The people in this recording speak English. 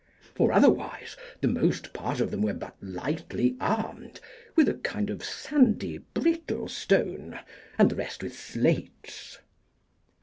For otherwise the most part of them were but lightly armed with a kind of sandy brittle stone, and the rest with slates.